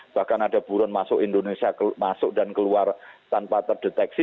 bahkan ada buron masuk indonesia masuk dan keluar tanpa terdeteksi